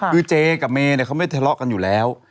คือเจกับเมย์เขาไม่ทะเลาะกันอยู่แล้ว